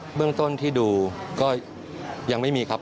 เรื่องต้นที่ดูก็ยังไม่มีครับ